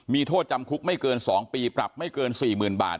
มีโทษจำคุกไม่เกิน๒ปีปรับไม่เกิน๔๐๐๐บาท